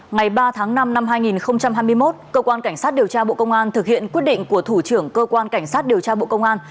ngày ba tháng năm năm hai nghìn hai mươi một cơ quan cảnh sát điều tra bộ công an thực hiện quyết định của thủ trưởng cơ quan cảnh sát điều tra bộ công an